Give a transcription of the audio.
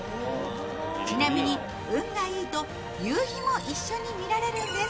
ちなみに、運がいいと夕日も一緒に見られるんです。